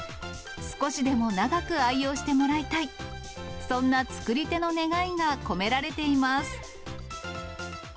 少しでも長く愛用してもらいたい、そんな作り手の願いが込められています。